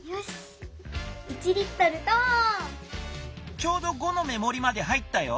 ちょうど５の目もりまで入ったよ。